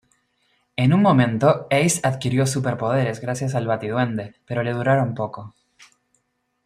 En un momento, Ace adquirió super-poderes gracias al Bati-duende, pero le duraron poco.